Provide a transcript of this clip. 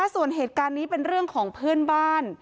ส่วนเหตุการณ์นี้เป็นเรื่องของเพื่อนบ้าน